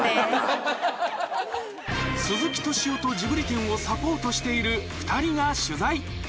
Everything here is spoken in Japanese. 鈴木敏夫とジブリ展をサポートしている２人が取材